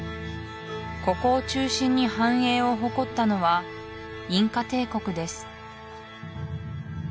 ここを中心に繁栄を誇ったのはインカ帝国です